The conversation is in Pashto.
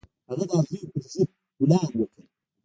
هغه د اغزيو پر ځای ګلان وکرل.